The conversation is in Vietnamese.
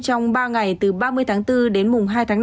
trong ba ngày từ ba mươi tháng bốn đến mùng hai tháng năm